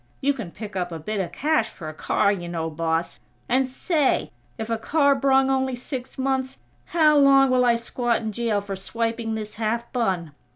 You can pick up a bit of cash for a car, you know, boss. And say, if a car brung only six months, how long will I squat in jail for swiping this half bun?